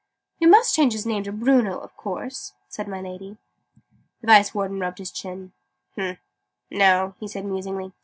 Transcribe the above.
"We must change his name to Bruno, of course?" said my Lady. The Vice Warden rubbed his chin. "Humph! No!" he said musingly.